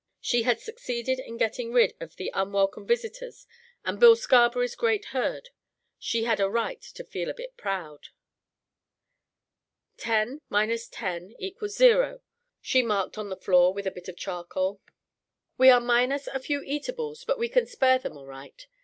She had succeeded in getting rid of the unwelcome visitors and Bill Scarberry's great herd. She had a right to feel a bit proud. "10 10 = 0," she marked on the floor with a bit of charcoal. "We are minus a few eatables but we can spare them all right.